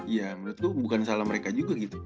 ya menurut tuh bukan salah mereka juga gitu